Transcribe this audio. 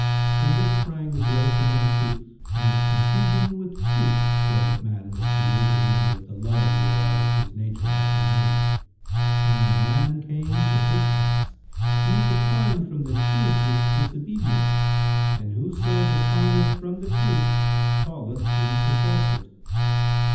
From this sprang the growth of Untruth and its confusion with Truth, wherewith man was created and with the love whereof his nature had been made; and when man came to this pass, he declined from the Truth with disobedience and whoso declineth from the Truth falleth into Falsehood."